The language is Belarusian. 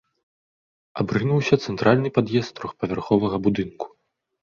Абрынуўся цэнтральны пад'езд трохпавярховага будынку.